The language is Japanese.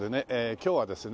今日はですね